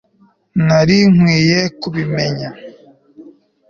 nari nkwiye kubimenya